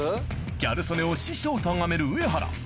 ギャル曽根を師匠とあがめる上原